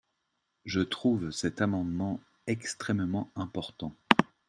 Je trouve cet amendement extrêmement important.